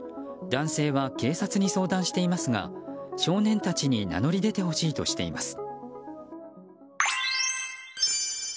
男性は警察に相談していますが少年たちに名乗り出てほしいとしています。